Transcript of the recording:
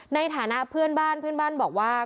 ในฐานะเพื่อนบ้านเพื่อนบ้านบอกว่า